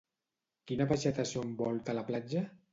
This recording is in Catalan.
Quina vegetació envolta la platja?